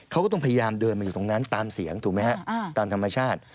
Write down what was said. เขาก็ต้องพยายามเดินมาอยู่ตรงนั้นตามเสียงถูกไหมฮะตามธรรมชาติ